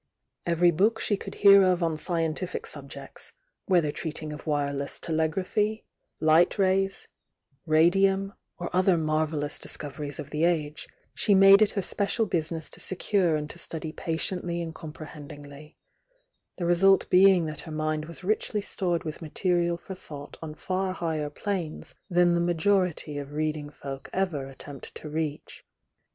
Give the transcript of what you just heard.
Every book she could hear of on scientific subjects, whether treating of wire less telegraphy, light rays, radium, or other mar vellous discoveries of the age, she made it her spe cial business to secure and to study patieutly and comprehendmgly, the result being that her mind was richly stored with material for thought on far higher planes than the majority of reading folk ever attempt to reach.